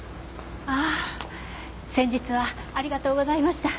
ああ先日はありがとうございました。